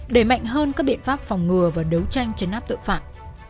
đẩy mạnh hơn các biện pháp phòng ngừa và đấu tranh chấn áp tội phạm